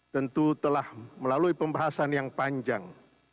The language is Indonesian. tentu telah melalui pembahasan yang panjang